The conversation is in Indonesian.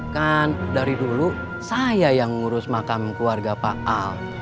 kan dari dulu saya yang ngurus makam keluarga pak al